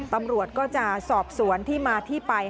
ตำรวจก็จะสอบสวนที่มาที่ไป